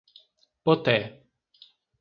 Poté